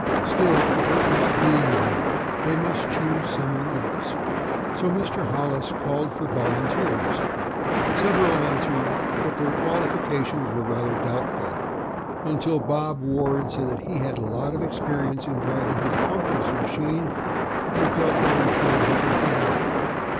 Still, Bert not being there, they must choose someone else, so Mr. Hollis called for volunteers. Several answered, but their qualifications were rather doubtful, until Bob Ward said that he had had a lot of experience in driving his uncle's machine, and felt very sure he could handle it.